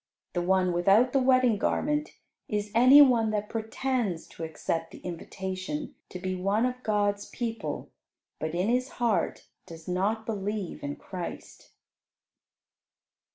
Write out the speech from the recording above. The one without the wedding garment is any one that pretends to accept the invitation to be one of God's people, but in his heart does not believe in Christ.